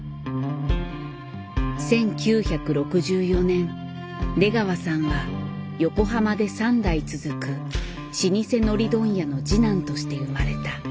１９６４年出川さんは横浜で３代続く老舗海苔問屋の次男として生まれた。